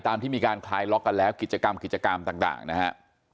ที่มีการคลายล็อกกันแล้วกิจกรรมกิจกรรมต่างนะฮะ